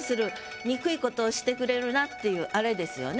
「憎いことをしてくれるな」っていうあれですよね。